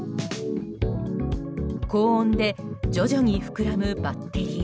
高温で徐々に膨らむバッテリー。